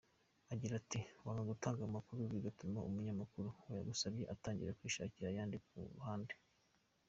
Agira at "Wanga gutanga amakuru bigatuma umunyamakuru wayasabye atangira kwishakira ayandi ku ruhande.